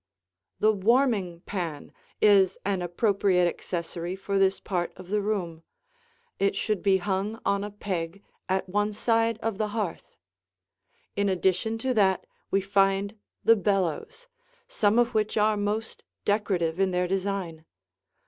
The warming pan is an appropriate accessory for this part of the room; it should be hung on a peg at one side of the hearth. In addition to that, we find the bellows, some of which are most decorative in their design.